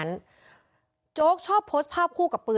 พวกมันต้องกินกันพี่